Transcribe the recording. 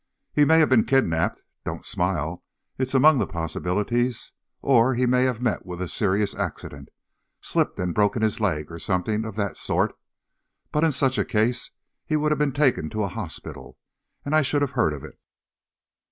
He may have been kidnaped, don't smile, it is among the possibilities, or, he may have met with a serious accident, slipped and broken his leg or something of that sort. But in such a case, he would have been taken to a hospital, and I should have heard of it.